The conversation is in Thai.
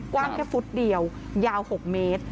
กว้างแค่ฟุตเดียวยาว๖เมตร